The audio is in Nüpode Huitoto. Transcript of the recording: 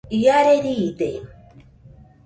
Iare riide